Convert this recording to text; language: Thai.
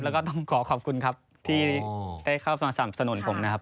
แล้วก็ต้องขอขอบคุณครับที่ได้เข้ามาสนับสนุนผมนะครับ